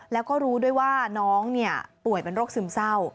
แล้วก็รู้ด้วยว่าน้องป่วยเป็นโรคซึมเศร้า